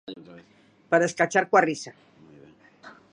Para escachar cosa risa.